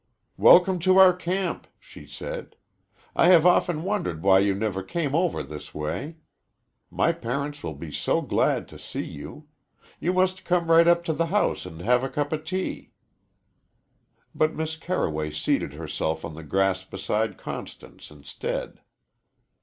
"Welcome to our camp," she said. "I have often wondered why you never came over this way. My parents will be so glad to see you. You must come right up to the house and have a cup of tea." But Miss Carroway seated herself on the grass beside Constance, instead.